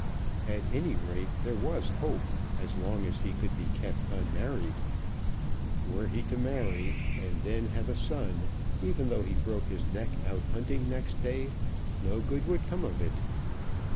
At any rate, there was hope as long as he could be kept unmarried. Were he to marry and then have a son, even though he broke his neck out hunting next day, no good would come of it.